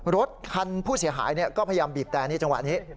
รถคันผู้เสียหายก็พยายามบีบแต่นี่จังหวะนี้